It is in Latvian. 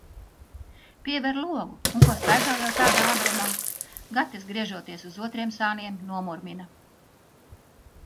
"Piever logu un ko staigā jau tādā agrumā?" Gatis, griežoties uz otriem sāniem, nomurmina.